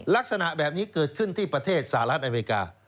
ลักษณะแบบนี้เกิดขึ้นที่ประเทศสหรัฐอเมริกา